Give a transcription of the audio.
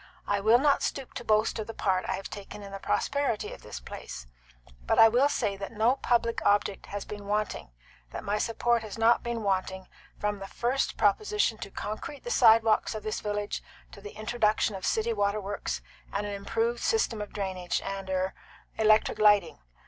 I will not stoop to boast of the part I have taken in the prosperity of this place; but I will say that no public object has been wanting that my support has not been wanting from the first proposition to concrete the sidewalks of this village to the introduction of city waterworks and an improved system of drainage, and er electric lighting.